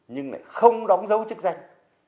nhưng lại không đóng dấu chức danh